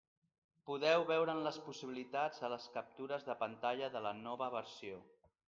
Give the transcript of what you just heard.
Podeu veure'n les possibilitats a les captures de pantalla de la nova versió.